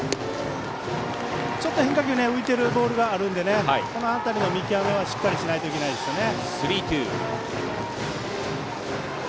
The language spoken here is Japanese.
ちょっと変化球に浮いているボールがあるのでその辺りの見極めはしないといけないですね。